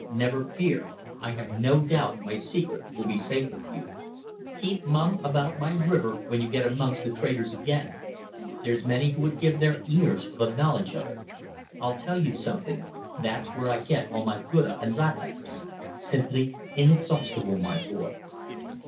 Never fear. I have no doubt my secret will be safe with you. Keep mum about my river when you get amongst the traders again. There's many would give their ears for the knowledge of it. I'll tell you something: that's where I get all my guttah and rattans. Simply inexhaustible, my boy."